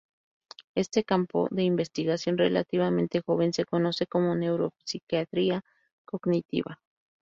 Este campo de investigación, relativamente joven, se conoce como neuropsiquiatría cognitiva.